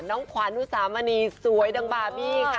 น้องขวานุสามณีสวยดังบาบี่ค่ะ